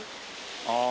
ああ。